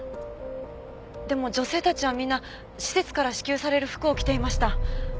でも女性たちはみんな施設から支給される服を着ていました。